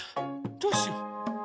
どうしよう？